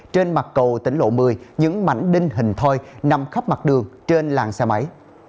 trên mặt cầu tỉnh lộ một mươi những mảnh đinh hình thoi nằm khắp mặt đường trên làng xe máy